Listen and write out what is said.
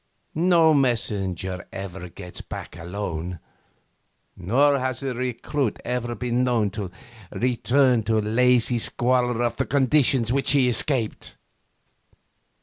No messenger ever goes back alone; nor has a recruit ever been known to return to the lazy squalor of the conditions whence he escaped.